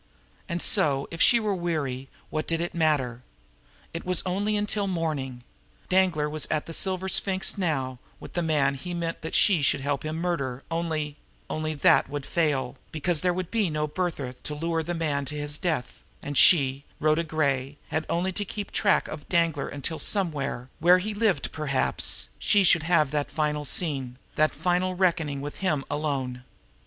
And so, if she were weary, what did it matter? It was only until morning. Danglar was at the Silver Sphinx now with the man he meant that she should help him murder, only only that plan would fail, because there would be no "Bertha" to lure the man to his death, and she, Rhoda Gray, had only to keep track of Danglar until somewhere, where he lived perhaps, she should have that final scene, that final reckoning with him alone.